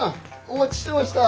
お待ちしてました！